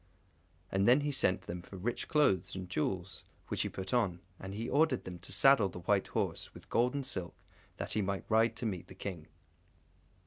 And then he sent them for rich clothes, and jewels, which he put on; and he ordered them to saddle the white horse, with gold and silk, that he might ride to meet the King.